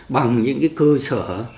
bằng những cái cơ sở